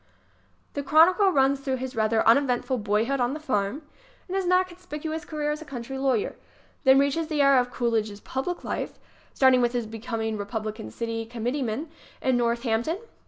The chronicle runs through his rather uneventful boyhood on the farm and his not conspicuous career as a country lawyer; then reaches the era of Cool idge's public life ŌĆö starting with his becoming Re publican city committeeman in Northampton.